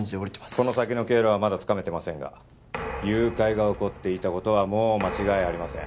この先の経路はまだつかめてませんが誘拐が起こっていたことはもう間違いありません